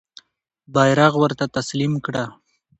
بیرغ ورته تسلیم کړه.